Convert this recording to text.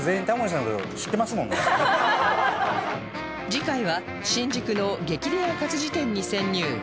次回は新宿の激レア活字店に潜入